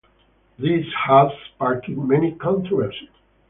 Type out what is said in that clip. This has sparked many controversy.